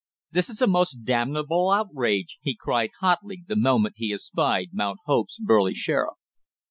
"This is a most damnable outrage!" he cried hotly the moment he espied Mount Hope's burly sheriff.